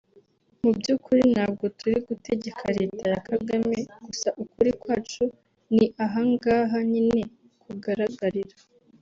Mu by’ukuri ntabwo turi gutegeka Leta ya Kagame; gusa ukuri kwacu ni ahangaha nyine kugaragarira